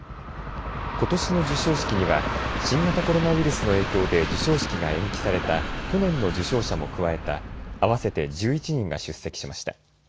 ことしの授賞式には新型コロナウイルスの影響で授賞式が延期された去年の受賞者も加えた合わせて１１人が出席しました。